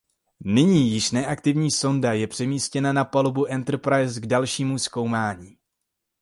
Nyní již neaktivní sonda je přemístěna na palubu Enterprise k dalšímu zkoumání.